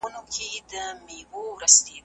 د لیکني املا او انشا د شاګرد لخوا سمول کېږي.